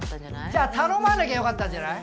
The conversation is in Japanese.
じゃ頼まなきゃよかったんじゃない。